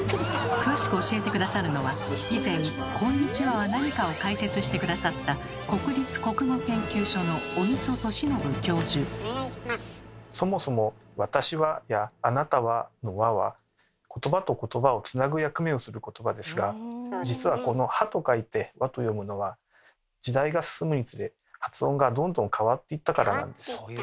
詳しく教えて下さるのは以前「こんにちは」は何かを解説して下さったそもそも「私は」や「あなたは」の「は」は言葉と言葉をつなぐ役目をする言葉ですが実はこの「は」と書いて「わ」と読むのは時代が進むにつれ発音がどんどん変わっていったからなんです。